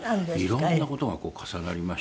いろんな事が重なりまして。